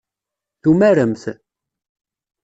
Tumaremt?